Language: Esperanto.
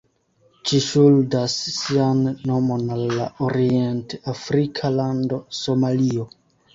Ĝi ŝuldas sian nomon al la orient-afrika lando Somalio.